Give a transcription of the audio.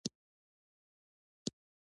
موږ باید خپل ماشومان تعلیم ته وهڅوو.